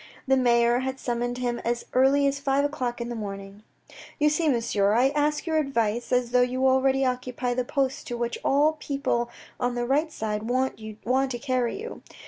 The mayor had summoned him as early as five o'clock in the morning. " You see, monsieur, I ask your advice, as though you already occupy that post to which all the people on the right side want to carry you.